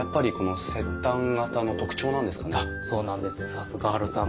さすがハルさん。